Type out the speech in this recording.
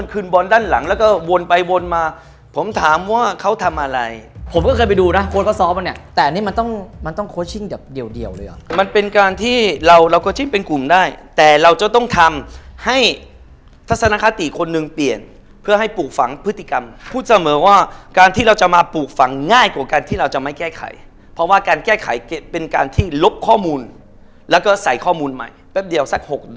โค้ชเขาซอฟต์มาเนี่ยแต่อันนี้มันต้องโค้ชชิงเดียวเลยหรือมันเป็นการที่เราโค้ชชิงเป็นกลุ่มได้แต่เราจะต้องทำให้ศาสนคติคนหนึ่งเปลี่ยนเพื่อให้ปลูกฝังพฤติกรรมพูดเสมอว่าการที่เราจะมาปลูกฝังง่ายกว่าการที่เราจะไม่แก้ไขเพราะว่าการแก้ไขเป็นการที่ลบข้อมูลแล้วก็ใส่ข้อมูลใหม่แป๊บเดียวส